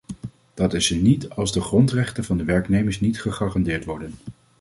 Dat is ze niet als de grondrechten van de werknemers niet gegarandeerd worden.